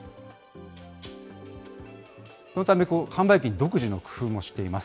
そのため販売機に独自の工夫もしています。